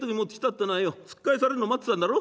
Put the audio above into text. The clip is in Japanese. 突き返されるの待ってたんだろ？